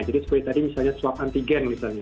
jadi seperti tadi misalnya swab antigen misalnya